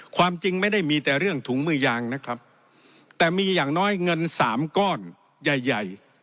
ความจริงไม่ได้มีแต่เรื่องถุงมือยางนะครับแต่มีอย่างน้อยเงินสามก้อนใหญ่ใหญ่